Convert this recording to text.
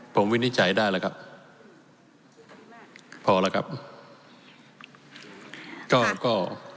ผมวินิจฉัยได้แล้วครับพอแล้วครับก็